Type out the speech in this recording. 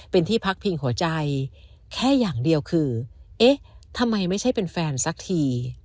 เป็นที่พักพิงหัวใจแค่อย่างเดียวคือเอ๊ะทำไมไม่ใช่เป็นแฟนสักที